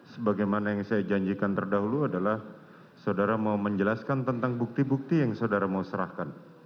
sebagaimana yang saya janjikan terdahulu adalah saudara mau menjelaskan tentang bukti bukti yang saudara mau serahkan